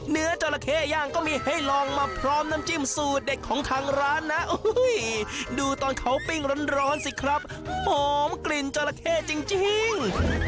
จราเข้ย่างก็มีให้ลองมาพร้อมน้ำจิ้มสูตรเด็ดของทางร้านนะดูตอนเขาปิ้งร้อนสิครับหอมกลิ่นจราเข้จริง